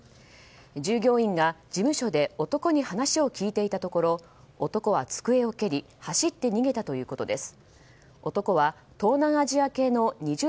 従業員が事務所で男に話を聞いていたところ男は机を蹴り走って逃げたということです。